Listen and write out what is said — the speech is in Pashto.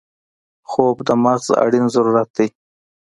خوب د مغز اړین ضرورت دی